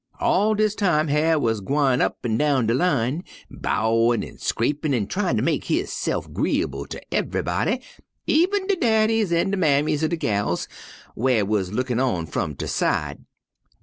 "All dis time Hyar' wuz gwine up an' down de line, bowin' an' scrapin' an' tryin' ter mek hisse'f 'greeable ter ev'yb'dy, even de daddies an' de mammies er de gals, whar wuz lookin' on f'um tu'rr side.